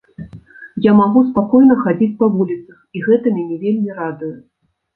Я магу спакойна хадзіць па вуліцах, і гэта мяне вельмі радуе.